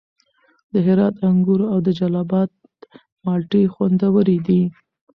د هرات انګور او د جلال اباد مالټې خوندورې دي.